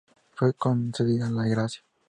Fue concedida la gracia.